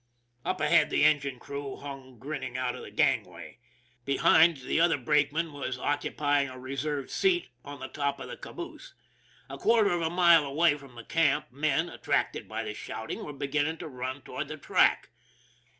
Up ahead the engine crew hung grinning out of the gangway. Behind, the other brakeman was occupy THE MAN WHO DIDN'T COUNT 247 ing a reserved seat on the top of the caboose. A quar ter of a mile away over by the camp, men, attracted by the shouting, were beginning to run toward the track.